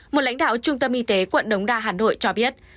một lãnh đạo trung tâm y tế quận đống đa hà nội cho biết